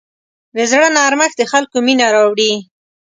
د زړه نرمښت د خلکو مینه راوړي.